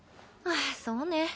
そうね。